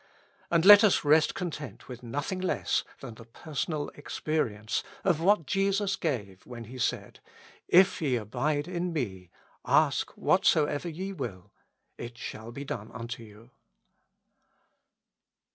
And let us rest content with nothing less than the personal experience of what Jesus gave when He said. "If ye abide in Me, ask whatsoever ye will, it shall be done unto you."